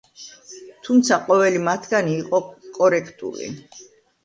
თუმცა ყოველი მათგანი იყო კორექტული.